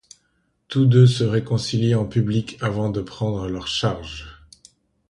Tous deux se réconcilient en public avant de prendre leur charge.